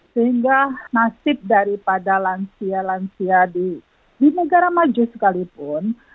sehingga nasib daripada lansia lansia di negara maju sekalipun